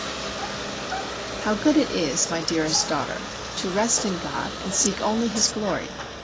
_ How good it is, my dearest daughter, to rest in God and seek only His glory!